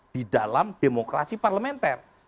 di dalam demokrasi parlementer